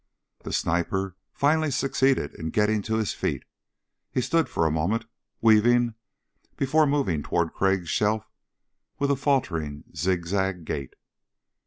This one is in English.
The sniper finally succeeded in getting to his feet. He stood for a moment, weaving, before moving toward Crag's shelf with a faltering zigzag gait.